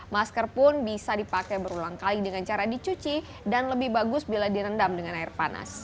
masker pun bisa dipakai berulang kali dengan cara dicuci dan lebih bagus bila direndam dengan air panas